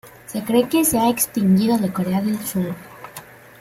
Se cree que se ha extinguido de Corea del Sur.